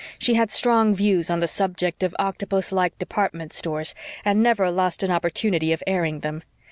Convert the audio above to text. She had strong views on the subject of octopus like department stores, and never lost an opportunity of airing them.